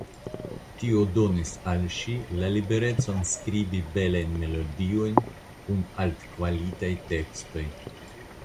Tio donis al ŝi la liberecon skribi belajn melodiojn kun altkvalitaj tekstoj.